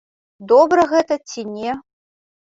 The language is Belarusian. Добра гэта ці не?